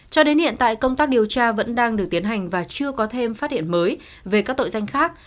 cho đến hiện tại công tác điều tra vẫn đang được tiến hành và chưa có thêm phát hiện mới về các tội danh khác